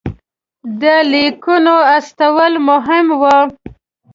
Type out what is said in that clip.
د لیکونو استول مهم وو.